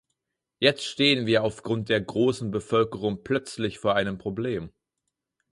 Jetzt stehen wir aufgrund der großen Bevölkerung plötzlich vor einem Problem.